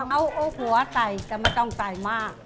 เอาหัวใส่แต่ไม่ต้องใส่มาก